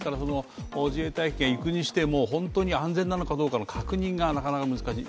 自衛隊機が行くにしても本当に安全なのかどうかの確認がなかなか難しい。